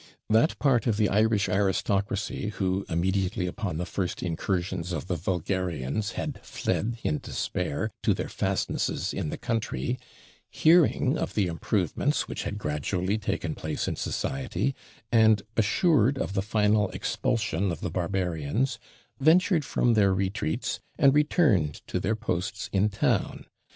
That part of the Irish aristocracy, who, immediately upon the first incursions of the vulgarians, had fled in despair to their fastnesses in the country, hearing of the improvements which had gradually taken place in society, and assured of the final expulsion of the barbarians, ventured from their retreats, and returned to their posts in town.